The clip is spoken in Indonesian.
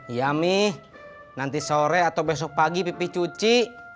iya mih nanti sore atau besok pagi pipi cuci